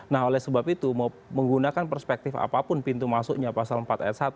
nah oleh sebab itu menggunakan perspektif apapun pintu masuknya pasal empat ayat satu